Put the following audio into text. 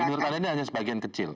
menurut anda ini hanya sebagian kecil